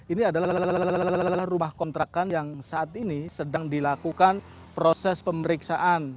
ini adalah rumah kontrakan yang saat ini sedang dilakukan proses pemeriksaan